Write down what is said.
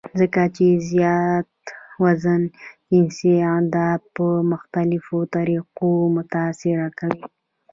ځکه چې زيات وزن جنسي اعضاء پۀ مختلفوطريقو متاثره کوي -